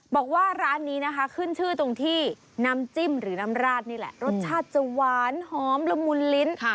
บอกว่าร้านนี้นะคะขึ้นชื่อตรงที่น้ำจิ้มหรือน้ำราดนี่แหละรสชาติจะหวานหอมละมุนลิ้น